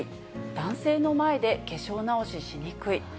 男性の前で化粧直ししにくい。